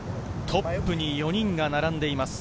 トップに４人が並んでいます。